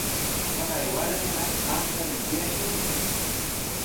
Taqay warmiqa qamtami kuyashunki.